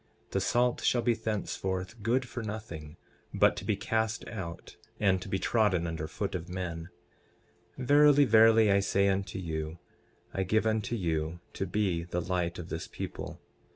The salt shall be thenceforth good for nothing, but to be cast out and to be trodden under foot of men. 12:14 Verily, verily, I say unto you, I give unto you to be the light of this people.